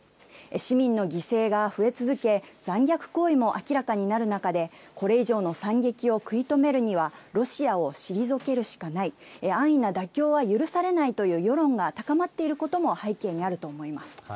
市民の犠牲が増え続け、残虐行為も明らかになる中で、これ以上の惨劇を食い止めるにはロシアを退けるしかない、安易な妥協は許されないという世論が高まっていることも背景にあると思います。